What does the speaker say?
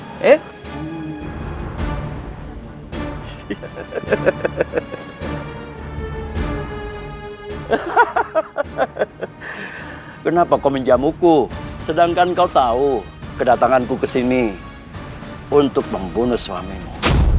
hahaha kenapa kau menjamu ku sedangkan kau tahu kedatangan ku kesini untuk membunuh suamimu